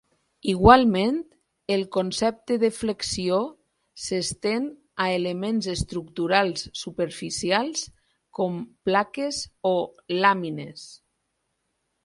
Igualment, el concepte de flexió s'estén a elements estructurals superficials com plaques o làmines.